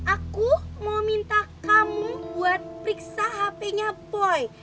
aku mau minta kamu buat periksa handphonenya boy